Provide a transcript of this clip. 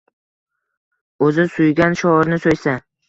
Oʻzi suygan shoirni soʻysa